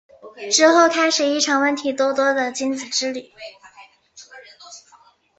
之后开始一场问题多多的亲子之旅。